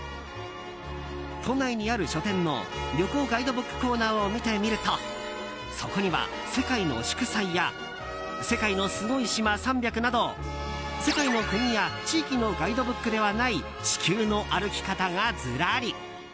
都内にある書店の旅行ガイドブックコーナーを見てみるとそこには、「世界の祝祭」や「世界のすごい島３００」など世界の国や地域のガイドブックではない「地球の歩き方」がずらり。